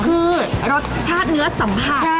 คือรสชาติเนื้อสัมผัส